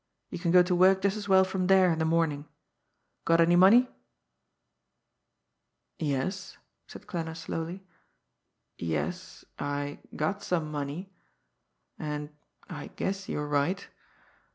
You can go to work just as well from there in the morning. Got any money?" "Yes," said Klanner slowly. "Yes, I got some money and I guess you're right.